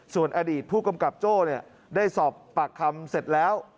ส่วนอดีตผู้กำกับโจ้ได้สอบปากคำเสร็จแล้ว